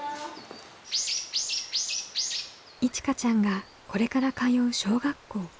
いちかちゃんがこれから通う小学校。